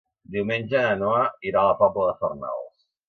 Diumenge na Noa irà a la Pobla de Farnals.